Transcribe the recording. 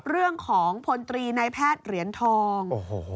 เรื่องของพลตรีนายแพทย์เหรียญทอง